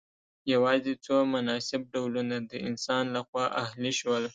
یوازې څو مناسب ډولونه د انسان لخوا اهلي شول.